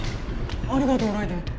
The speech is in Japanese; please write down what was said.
ありがとうライデェン！